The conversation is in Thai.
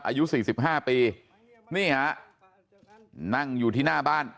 อายุ๔๕ปีนี่ฮะนั่งอยู่ที่หน้าบ้าน